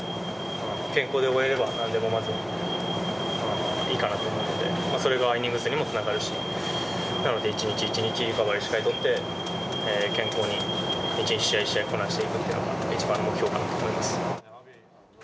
健康で終えれれば、まずはいいかなと思うんで、それがイニング数にもつながるし、なので、一日一日、しっかりリカバリーをしっかり取って、健康に一試合一試合こなしていくのが一番の目標だと思います。